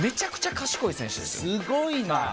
すごいな！